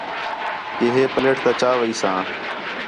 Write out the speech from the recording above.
کہ ہے پلیٹ تا چاویساں